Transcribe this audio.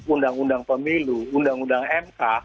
undang undang pemilu undang undang mk